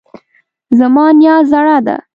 زما نیا زړه ده